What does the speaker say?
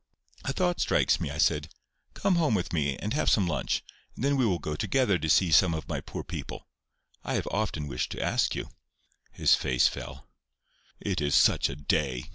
"A thought strikes me," I said. "Come home with me, and have some lunch, and then we will go together to see some of my poor people. I have often wished to ask you." His face fell. "It is such a day!"